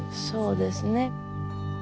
そうですね。